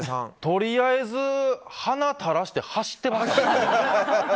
とりあえず鼻たらして走ってましたね。